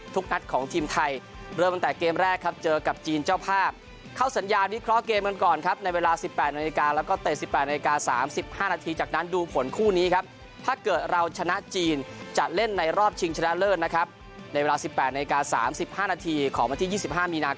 นัดของทีมไทยเริ่มตั้งแต่เกมแรกครับเจอกับจีนเจ้าภาพเข้าสัญญาวิเคราะห์เกมกันก่อนครับในเวลา๑๘นาฬิกาแล้วก็เตะ๑๘นาที๓๕นาทีจากนั้นดูผลคู่นี้ครับถ้าเกิดเราชนะจีนจะเล่นในรอบชิงชนะเลิศนะครับในเวลา๑๘นาที๓๕นาทีของวันที่๒๕มีนาค